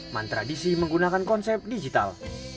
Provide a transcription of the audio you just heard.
mantradisi menggunakan konsep digital